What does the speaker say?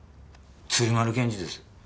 鶴丸検事です。